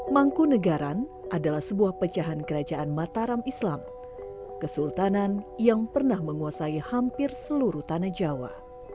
mangku negara adalah sebuah pecahan kerajaan mataram islam kesultanan yang pernah menguasai hampir seluruh tanah jawa